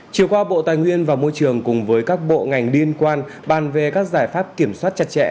chiều qua bộ tài nguyên và môi trường cùng với các bộ ngành liên quan bàn về các giải pháp kiểm soát chặt chẽ